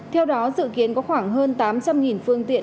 theo đó dự kiến có khoảng hơn tám trăm linh phương tiện